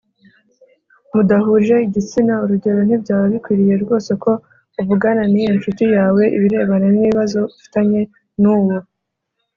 mudahuje igitsina Urugero ntibyaba bikwiriye rwose ko uvugana n iyo ncuti yawe ibirebana n ibibazo ufitanye n uwo